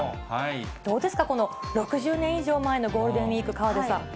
どうですか、この６０年以上前のゴールデンウィーク、河出さん。